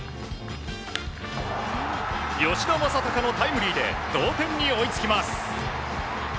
吉田正尚のタイムリーで同点に追いつきます。